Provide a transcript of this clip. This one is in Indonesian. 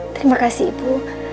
terima kasih ibu